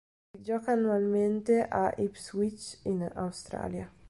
Si gioca annualmente a Ipswich in Australia.